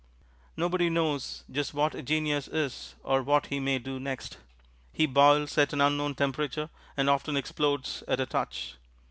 Nobody knows just what a genius is or what he may do next; he boils at an unknown temperature, and often explodes at a touch.